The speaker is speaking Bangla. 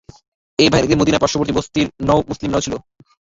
এ বাহিনীতে মদীনার পার্শ্ববর্তী বসতির নও মুসলিমরাও ছিল।